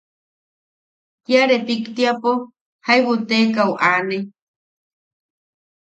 Kia repiktiapo jaibu teekau aane.